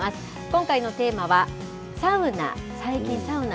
今回のテーマはサウナ。